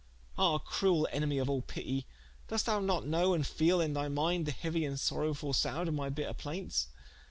Ah cruell enemy of all pitie, doest thou not knowe and feele in thy minde, the heauie and sorowfull sounde of my bitter plaintes?